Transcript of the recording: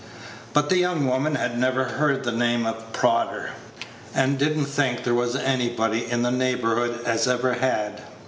But the young woman had never heard the name of Prodder, and did n't think there was anybody in the neighborhood as ever had.